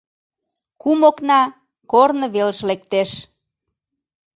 Кум окна корно велыш лектеш.